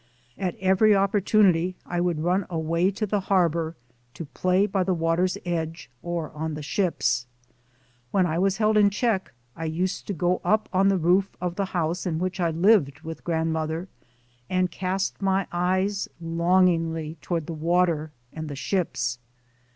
At every opportunity I would run away to the harbor, to play by the water's edge or on the ships. When I was held in check, I used to go up on the roof of the house in which I lived with grandmother and cast my eyes longingly toward the water and the ships.